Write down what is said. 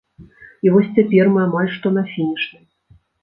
І вось цяпер мы амаль што на фінішнай.